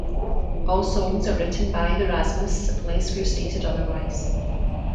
All songs are written by The Rasmus, unless where stated otherwise.